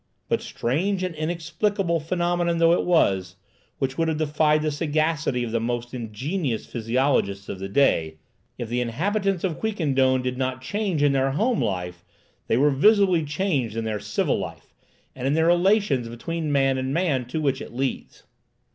But, strange and inexplicable phenomenon though it was, which would have defied the sagacity of the most ingenious physiologists of the day, if the inhabitants of Quiquendone did not change in their home life, they were visibly changed in their civil life and in their relations between man and man, to which it leads.